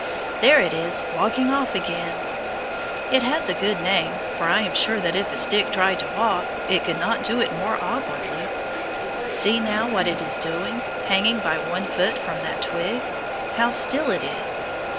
There, it is walking off again. It has a good name, for I am sure that if a stick tried to walk, it could not do it more awkwardly. See now, what it is doing, hanging by one foot from that twig. How still it is.